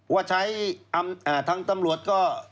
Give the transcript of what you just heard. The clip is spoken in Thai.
ว่าใช้ทางตำรวจก็